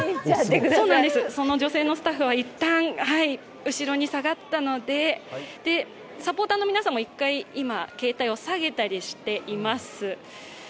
その女性のスタッフは一旦後ろに下がったので、サポーターの皆さんも、一回、携帯を下げたりしています。